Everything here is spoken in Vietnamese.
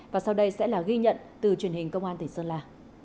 và sau đây sẽ là ghi nhận từ truyền hình công an tỉnh sơn la